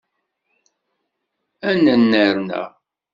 Ad nerna.